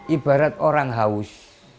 ibarat orang haus